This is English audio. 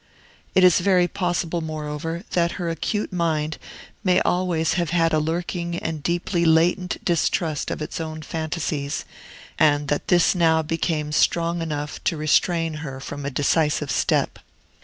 It is very possible, moreover, that her acute mind may always have had a lurking and deeply latent distrust of its own fantasies, and that this now became strong enough to restrain her from a decisive step.